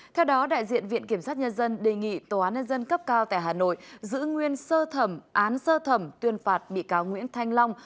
theo đó đại diện viện kiểm sát nhân dân đề nghị tòa án nhân dân cấp cao tại hà nội giữ nguyên sơ thẩm án sơ thẩm tuyên phạt bị cáo nguyễn thanh long